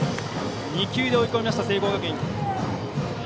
２球で追い込みました、聖光学院。